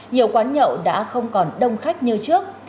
nhiều quán nhậu đã không còn đông khách như trước